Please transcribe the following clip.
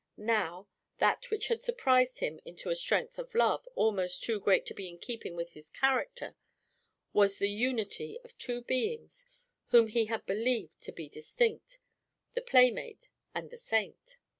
Now, that which had surprised him into a strength of love almost too great to be in keeping with his character, was the unity of two beings whom he had believed to be distinct the playmate and the saint.